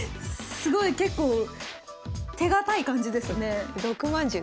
すごい結構手堅い感じですね。